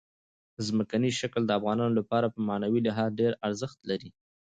ځمکنی شکل د افغانانو لپاره په معنوي لحاظ ډېر ارزښت لري.